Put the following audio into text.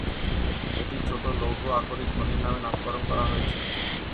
এটি ছোট লৌহ আকরিক খনির নামে নামকরণ করা হয়েছে।